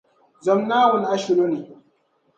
Zom Naawuni ashilo ni.